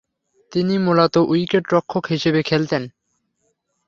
তিনি মূলতঃ উইকেট-রক্ষক হিসেবে খেলতেন।